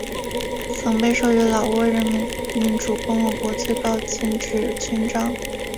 曾被授予老挝人民民主共和国最高金质勋章。